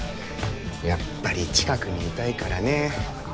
やっぱり近くにいたいからね。